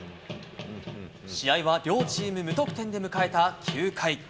試合は両チーム無得点で迎えた９回。